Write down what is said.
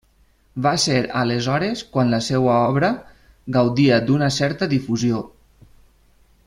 Va ser aleshores quan la seva obra gaudia d'una certa difusió.